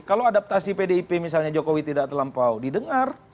kalau adaptasi pdip misalnya jokowi tidak terlampau didengar